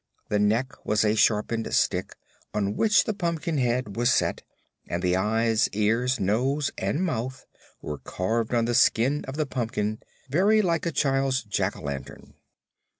The neck was a sharpened stick on which the pumpkin head was set, and the eyes, ears, nose and mouth were carved on the skin of the pumpkin, very like a child's jack o' lantern.